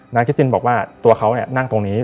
คิสตินบอกว่าตัวเขานั่งตรงนี้